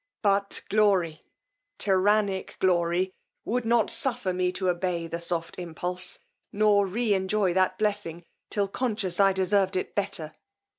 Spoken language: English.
But glory, tyrannic glory, would not suffer me to obey the soft impulse, nor re enjoy that blessing till conscious I deserved it better!